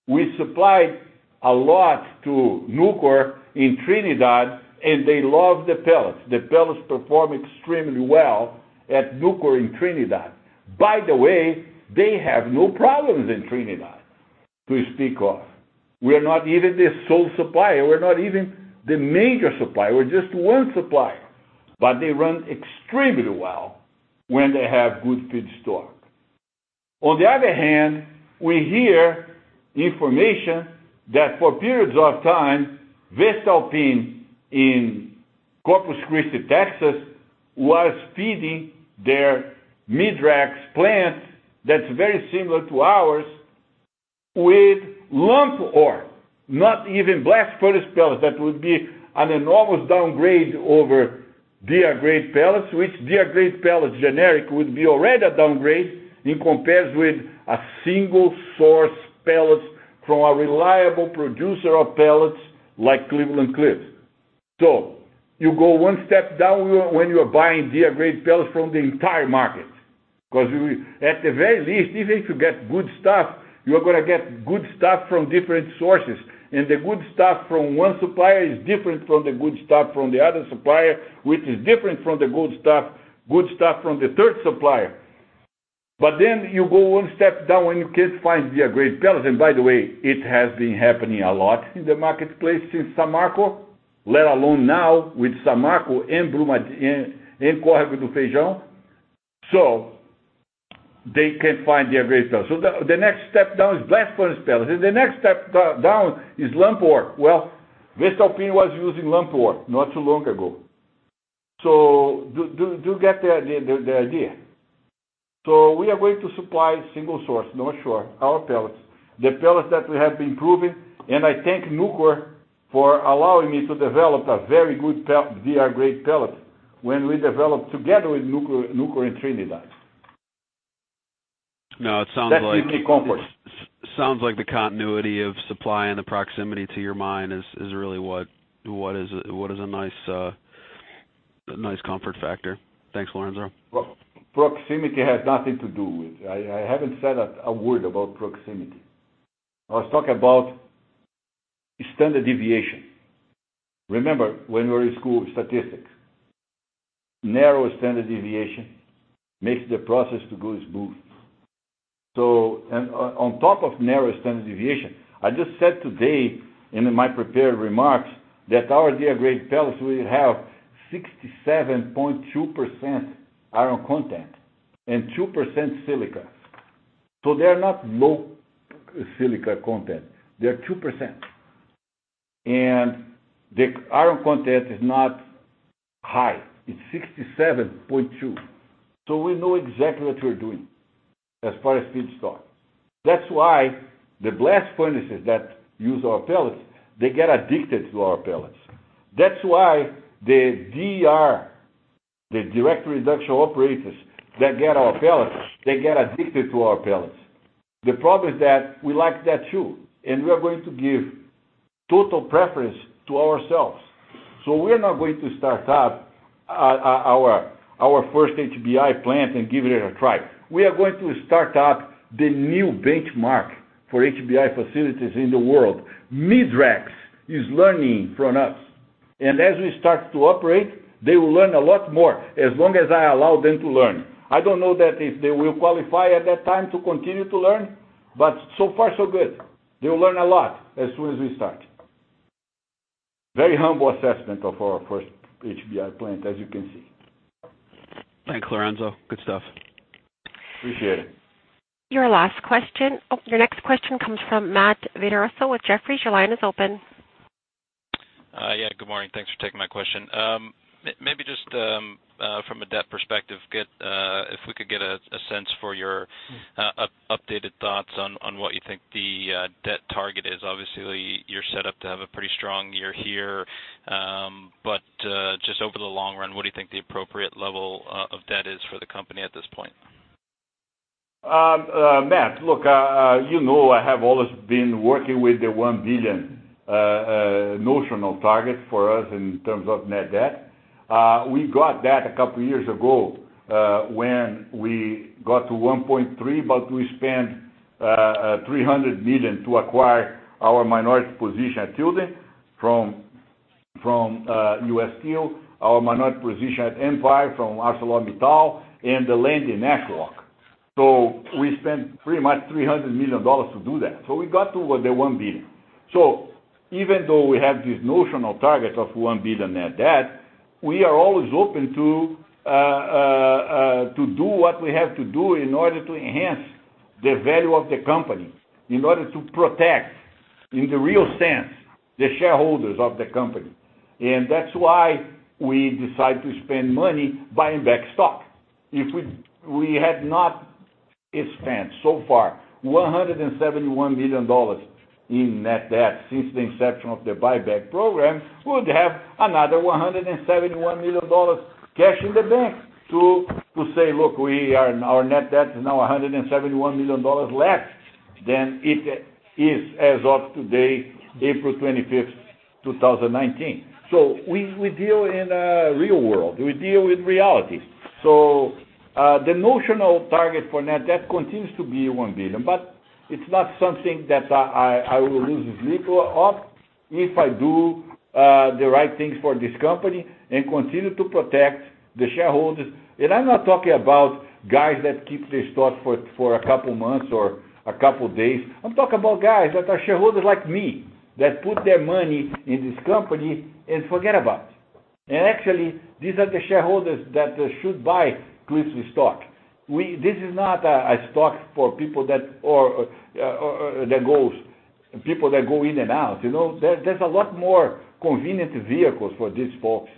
We supplied a lot to Nucor in Trinidad, and they love the pellets. The pellets perform extremely well at Nucor in Trinidad. By the way, they have no problems in Trinidad, to speak of. We're not even the sole supplier. We're not even the major supplier. We're just one supplier, but they run extremely well when they have good feedstock. On the other hand, we hear information that for periods of time, Voestalpine in Corpus Christi, Texas was feeding their Midrex plant, that's very similar to ours, with lump ore, not even blast furnace pellets. That would be an enormous downgrade over DR-grade pellets, which DR-grade pellets generic would be already a downgrade in comparison with a single source pellets from a reliable producer of pellets like Cleveland-Cliffs, so you go one step down when you are buying DR-grade pellets from the entire market. Because you, at the very least, even if you get good stuff, you are gonna get good stuff from different sources, and the good stuff from one supplier is different from the good stuff from the other supplier, which is different from the good stuff from the third supplier, but then you go one step down when you can't find DR-grade pellets. By the way, it has been happening a lot in the marketplace since Samarco, let alone now with Samarco and Brumadinho and Córrego do Feijão, so they can't find DR-grade pellets. The next step down is blast furnace pellets. The next step down is lump ore. Voestalpine was using lump ore not too long ago. Do you get the idea? So we are going to supply single source, Northshore, our pellets. The pellets that we have been proving, and I thank Nucor for allowing me to develop a very good DR-grade pellet when we developed together with Nucor in Trinidad.. Sounds like the continuity of supply and the proximity to your mine is really what is a nice, a nice comfort factor. Thanks, Lourenco. Proximity has nothing to do with it. I haven't said a word about proximity. I was talking about standard deviation. Remember when we were in school, statistics. Narrow standard deviation makes the process to go smooth. On top of narrow standard deviation, I just said today in my prepared remarks that our DR-grade pellets will have 67.2% iron content and 2% silica, so they're not low silica content. They're 2%, and the iron content is not high. It's 67.2, so we know exactly what we're doing as far as feedstock. That's why the blast furnaces that use our pellets, they get addicted to our pellets. That's why the DR, the direct reduction operators that get our pellets, they get addicted to our pellets. The problem is that we like that too, and we are going to give total preference to ourselves, so we're not going to start up our first HBI plant and give it a try. We are going to start up the new benchmark for HBI facilities in the world. Midrex is learning from us, and as we start to operate, they will learn a lot more, as long as I allow them to learn. I don't know that if they will qualify at that time to continue to learn, but so far so good. They will learn a lot as soon as we start. Very humble assessment of our first HBI plant, as you can see. Thanks, Lourenco. Good stuff. Appreciate it. Your last question. Oh, your next question comes from Matt Vittorioso with Jefferies. Your line is open. Yeah, good morning. Thanks for taking my question. Maybe just from a debt perspective, if we could get a sense for your updated thoughts on what you think the debt target is. Obviously, you're set up to have a pretty strong year here, but just over the long run, what do you think the appropriate level of debt is for the company at this point? Matt, look, you know I have always been working with the $1 billion notional target for us in terms of net debt. We got that a couple years ago, when we got to $1.3 billion, but we spent $300 million to acquire our minority position at Tilden from U.S. Steel, our minority position at Empire from ArcelorMittal, and the land in Nashwauk, so we spent pretty much $300 million to do that. We got to the $1 billion. Even though we have this notional target of $1 billion net debt, we are always open to do what we have to do in order to enhance the value of the company, in order to protect, in the real sense, the shareholders of the company, and that's why we decide to spend money buying back stock. If we had not spent so far $171 million in net debt since the inception of the buyback program, we would have another $171 million cash in the bank to say, "Look, we are our net debt is now $171 million less than it is as of today, April 25th, 2019." So we deal in a real world. We deal with reality. The notional target for net debt continues to be $1 billion, but it's not something that I will lose sleep of if I do the right things for this company and continue to protect the shareholders, and I'm not talking about guys that keep the stock for a couple months or a couple days. I'm talking about guys that are shareholders like me, that put their money in this company and forget about it, and actually, these are the shareholders that should buy Cliffs' stock. This is not a stock for people that or people that go in and out, you know? There's a lot more convenient vehicles for these folks.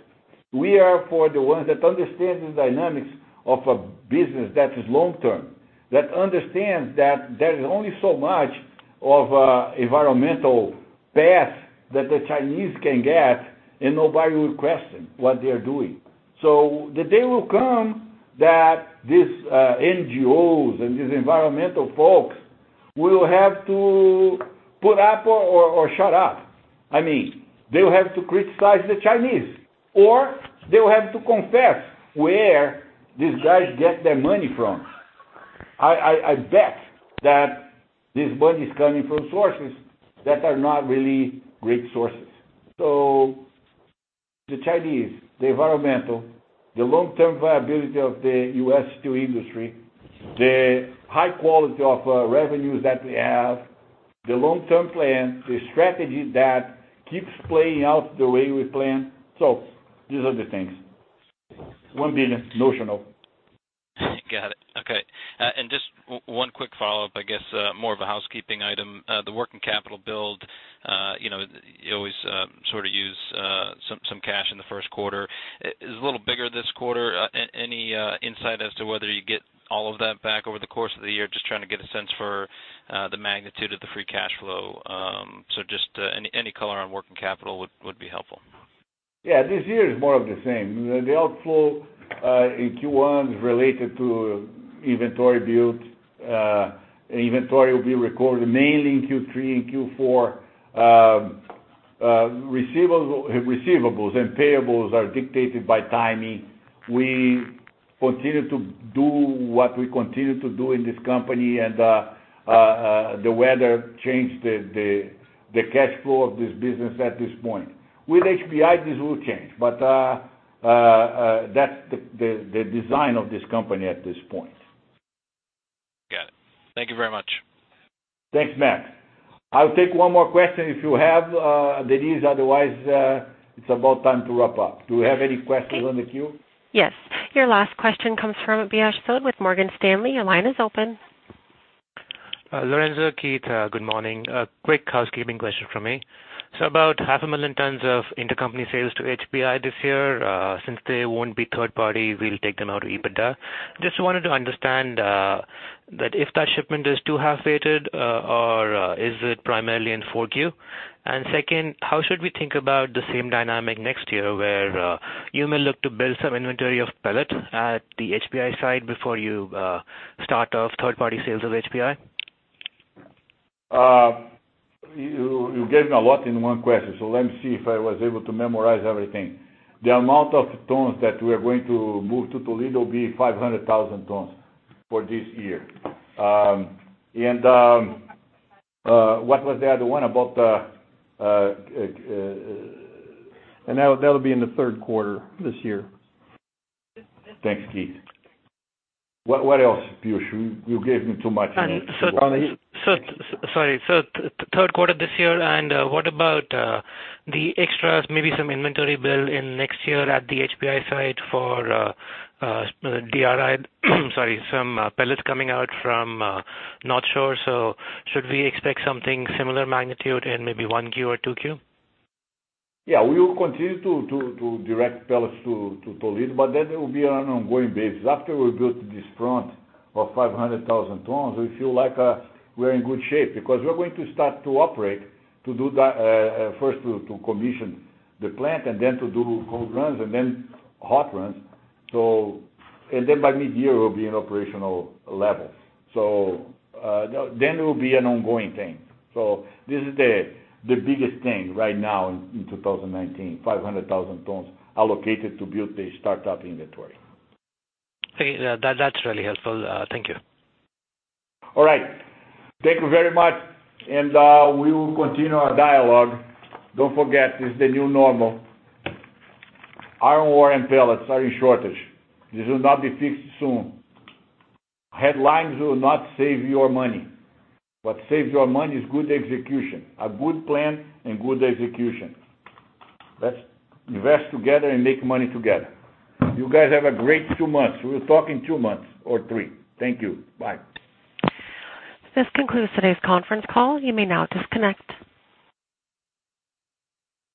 We are for the ones that understand the dynamics of a business that is long term, that understands that there is only so much of a environmental path that the Chinese can get, and nobody will question what they are doing. The day will come that these NGOs and these environmental folks will have to put up or shut up. I mean, they will have to criticize the Chinese, or they will have to confess where these guys get their money from. I bet that this money is coming from sources that are not really great sources. The Chinese, the environmental, the long-term viability of the U.S. steel industry, the high quality of revenues that we have, the long-term plan, the strategy that keeps playing out the way we plan, so these are the things. $1 billion, notional. Got it. Okay. And just one quick follow-up, I guess, more of a housekeeping item. The working capital build, you know, you always sort of use some cash in the Q1. Is it a little bigger this quarter? Any insight as to whether you get all of that back over the course of the year? Just trying to get a sense for the magnitude of the free cash flow. Just any color on working capital would be helpful. This year is more of the same. The outflow in Q1 is related to inventory build. Inventory will be recorded mainly in Q3 and Q4. Receivables and payables are dictated by timing. We continue to do what we continue to do in this company, and the weather changed the cash flow of this business at this point. With HBI, this will change, but that's the design of this company at this point. Got it. Thank you very much. Thanks, Matt. I'll take one more question if you have, Denise. Otherwise, it's about time to wrap up. Do you have any questions on the queue? Yes. Your last question comes from Piyush Sood with Morgan Stanley. Your line is open. Lourenco, Keith, good morning. A quick housekeeping question from me. About 500,000 tons of intercompany sales to HBI this year, since they won't be third party, we'll take them out of EBITDA. Just wanted to understand that if that shipment is too half weighted or is it primarily in 4Q? Second, how should we think about the same dynamic next year where you may look to build some inventory of pellet at the HBI side before you start off third-party sales of HBI? You gave me a lot in one question, so let me see if I was able to memorize everything. The amount of tons that we are going to move to Toledo will be 500,000 tons for this year. What was the other one? That'll be in the Q3 this year. Thanks, Keith. What else, Piyush? You gave me too much. Sorry. Q3 this year. What about the extras, maybe some inventory build in next year at the HBI site for DRI, sorry, some pellets coming out from Northshore, so should we expect something similar magnitude in maybe Q1 or Q2? We will continue to direct pellets to Toledo. It will be on an ongoing basis. After we built this front of 500,000 tons, we feel like we're in good shape because we're going to start to operate to do that, first to commission the plant and then to do cold runs and then hot runs, and by mid-year, we'll be in operational levels. It will be an ongoing thing. This is the biggest thing right now in 2019, 500,000 tons allocated to build the startup inventory. Okay. That's really helpful. Thank you. All right. Thank you very much. We will continue our dialogue. Don't forget, this is the new normal. Iron ore and pellets are in shortage. This will not be fixed soon. Headlines will not save your money. What saves your money is good execution, a good plan, and good execution. Let's invest together and make money together. You guys have a great two months. We'll talk in two months or three. Thank you. Bye. This concludes today's conference call. You may now disconnect.